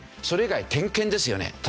それ以外点検ですよね。